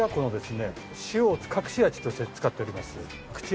塩を隠し味として使っております。